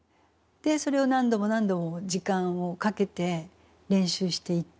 でそれを何度も何度も時間をかけて練習していって。